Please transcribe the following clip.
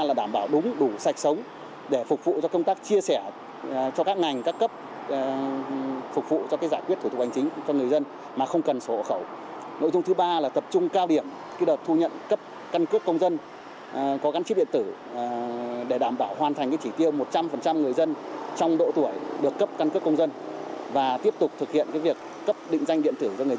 là đảm bảo đúng đủ sạch sống để phục vụ cho công tác chia sẻ